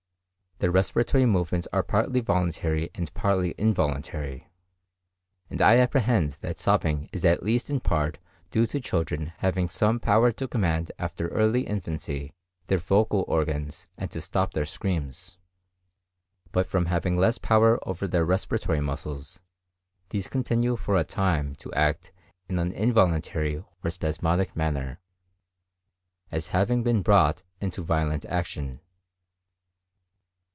The respiratory movements are partly voluntary and partly involuntary, and I apprehend that sobbing is at least in part due to children having some power to command after early infancy their vocal organs and to stop their screams, but from having less power over their respiratory muscles, these continue for a time to act in an involuntary or spasmodic manner, after having been brought into violent action.